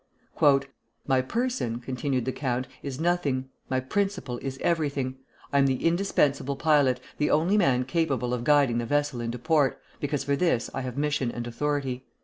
"My person," continued the count, "is nothing; my principle is everything. I am the indispensable pilot, the only man capable of guiding the vessel into port, because for this I have mission and authority."